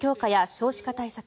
少子化対策